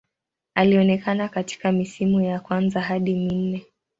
Alionekana katika misimu ya kwanza hadi minne.